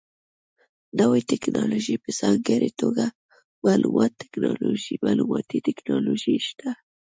نوې ټکنالوژي په ځانګړې توګه معلوماتي ټکنالوژي شته.